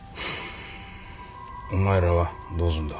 お前らはどうすんだ？